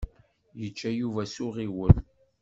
Yečča Yuba s uɣiwel.